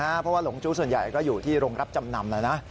เพราะว่าหลงจู้ส่วนใหญ่ก็อยู่ที่โรงรับจำนำแล้วนะ